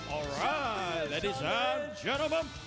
เอาล่ะทุกคนครับ